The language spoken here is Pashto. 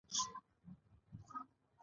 روغتیا د ټولنې بنسټ دی.